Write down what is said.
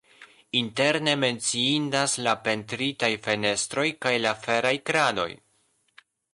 Interne menciindas la pentritaj fenestroj kaj la feraj kradoj.